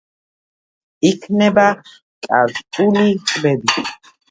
იქმნება კარსტული ტბები.